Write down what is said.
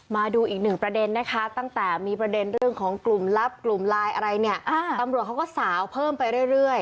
มาดูอีกหนึ่งประเด็นนะคะตั้งแต่มีประเด็นเรื่องของกลุ่มลับกลุ่มไลน์อะไรเนี่ยตำรวจเขาก็สาวเพิ่มไปเรื่อย